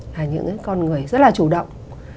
là những con người rất là chủ động